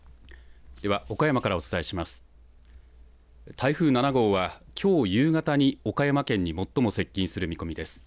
台風７号は、きょう夕方に岡山県に最も接近する見込みです。